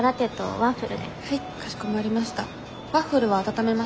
ワッフルは温めますか？